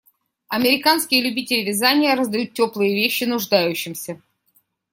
Американские любители вязания раздают теплые вещи нуждающимся